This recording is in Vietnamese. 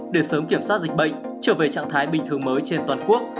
để sớm kiểm soát dịch bệnh trở về trạng thái bình thường mới trên toàn quốc